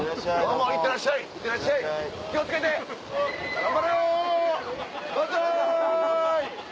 頑張れ！